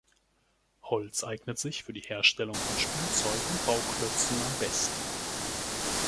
Holz eignet sich für die Herstellung von Spielzeug und Bauklötzen am besten.